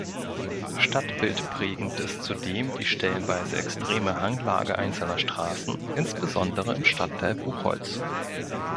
Stadtbildprägend ist zudem die stellenweise extreme Hanglage einzelner Straßen, insbesondere im Stadtteil Buchholz.